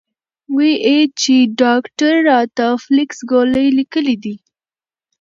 وې ئې چې ډاکټر راته فلکس ګولۍ ليکلي دي -